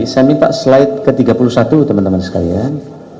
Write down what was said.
saya minta slide ke tiga puluh satu teman teman sekalian